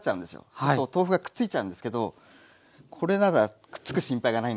そうすると豆腐がくっついちゃうんですけどこれならくっつく心配がないんですよね。